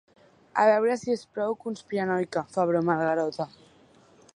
A veure si és prou conspiranoica —fa broma el Garota.